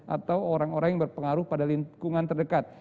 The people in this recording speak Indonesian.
atau orang orang yang berpengaruh pada lingkungan terdekat